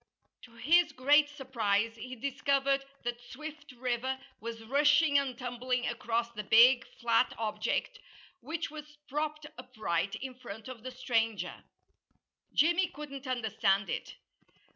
To his great surprise, he discovered that Swift River was rushing and tumbling across the big, flat object which was propped upright in front of the stranger. Jimmy couldn't understand it.